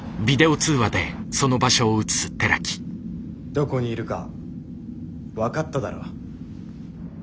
どこにいるか分かっただろ？